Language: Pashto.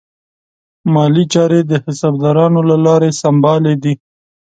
مالي چارې د حسابدارانو له لارې سمبالې دي.